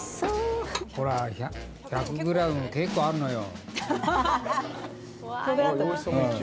１００ｇ結構あるのよ。